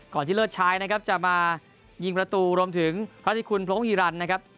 ก่อนที่เลิศชายนะครับจะมายิงประตูรวมถึงราธิคุณโพรงอีรันท์นะครับ